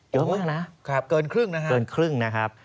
เยอะมากนะครับเกินครึ่งนะครับ